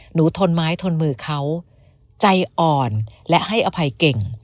ทนไม้ทนมือเขาใจอ่อนและให้อภัยเก่ง